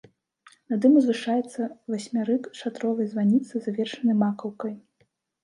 Над ім узвышаецца васьмярык шатровай званіцы, завершанай макаўкай.